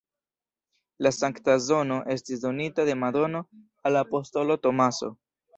La sankta zono estis donita de Madono al apostolo Tomaso.